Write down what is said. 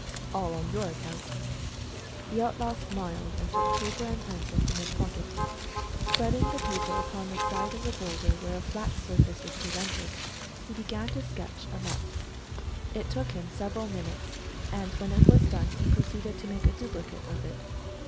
"All on your account." The outlaw smiled, and took paper and pencil from his pocket. Spreading the paper upon the side of the boulder where a flat surface was presented, he began to sketch a map. It took him several minutes, and when it was done he proceeded to make a duplicate of it.